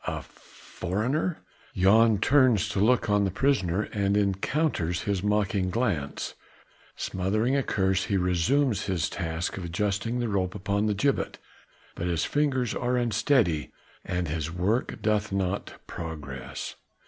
"A foreigner?" Jan turns to look on the prisoner and encounters his mocking glance. Smothering a curse he resumes his task of adjusting the rope upon the gibbet, but his fingers are unsteady and his work doth not progress.